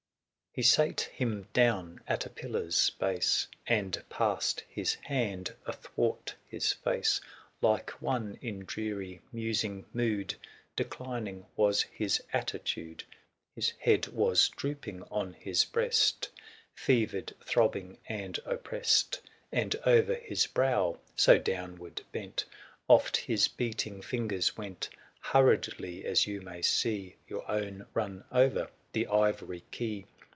He sate him down at a pillar's base, And passed his hand athwart his face ; Like one in dreary musing mood. Declining was his attitude; 465 His head was drooping on his breast, Fevered, throbbing, and opprest ; And o'er his brow, so downward bent. Oft his beating fingers went. Hurriedly, as you may see 470 Your own run over the ivory key.